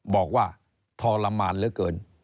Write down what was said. บอกว่าทรมานเหลือเกิน